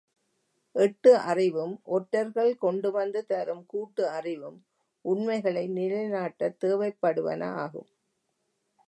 எட்டு அறிவும், ஒற்றர்கள் கொண்டுவந்து தரும் கூட்டு அறிவும் உண்மைகளை நிலைநாட்டத் தேவைப்படுவன ஆகும்.